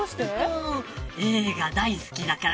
映画大好きだから。